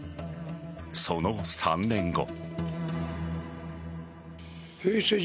その３年後。